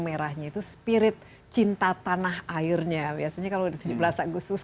saya lihat itu ada benang merahnya itu spirit cinta tanah airnya biasanya kalau di tujuh belas agustus